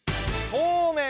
・そうめん？